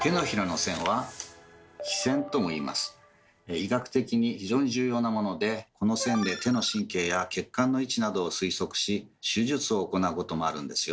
医学的に非常に重要なものでこの線で手の神経や血管の位置などを推測し手術を行うこともあるんですよ。